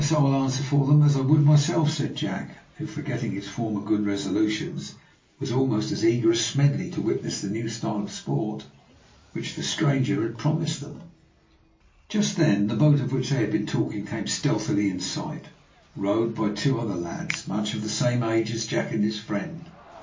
I will answer for them as I would for myself," said Jack, who, forgetting his former good resolutions, was almost as eager as Smedley to witness the new style of sport which the stranger promised them. Just then the boat of which they had been talking came stealthily in sight, rowed by two other lads, much of the same age as Jack and his friend.